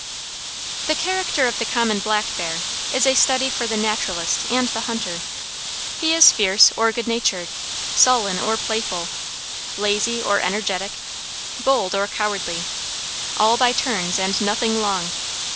The character of the common black hear is a study for the naturalist, and the hunter. He is fierce or good natured, sullen or playful, lazy or energetic, bold or cowardly, "all by turns and nothing long."